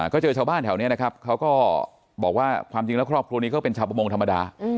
ก็เจอชาวบ้านแถวนี้นะครับเขาก็บอกว่าความจริงแล้วครอบครัวนี้ก็เป็นชาวประมงธรรมดา